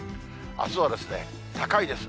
あすは高いです。